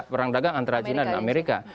perang dagang antara china dan amerika